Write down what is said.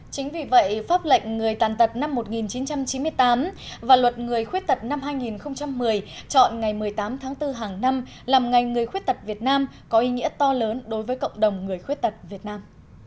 chính vì vậy pháp lệnh người tàn tật năm một nghìn chín trăm chín mươi tám và luật người khuyết tật năm hai nghìn một mươi chọn ngày một mươi tám tháng bốn hàng năm làm ngành người khuyết tật việt nam có ý nghĩa to lớn đối với cộng đồng người khuyết tật việt nam